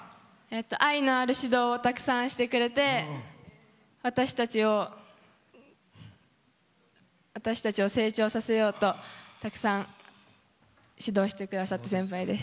愛のある指導をたくさんしてくれて私たちを成長させようとたくさん指導してくださった先輩です。